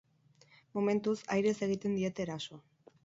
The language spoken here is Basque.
Momentuz, airez egiten diete eraso.